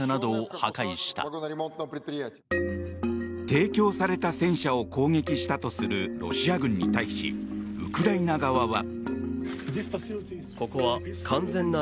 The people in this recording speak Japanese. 提供された戦車を攻撃したとするロシア軍に対しウクライナ側は。